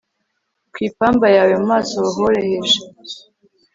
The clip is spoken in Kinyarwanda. ku ipamba yawe mu maso horoheje